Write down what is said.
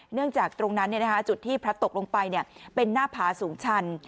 จากตรงนั้นจุดที่พลัดตกลงไปเป็นหน้าผาสูงชัน